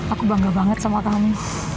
aku bangga banget sama kamu